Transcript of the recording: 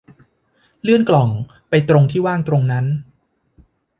เลื่อนกล่องไปตรงที่ว่างตรงนั้น